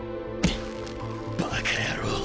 バカ野郎。